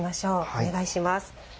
お願いします。